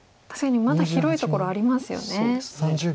確かにまだ広いところありますよね。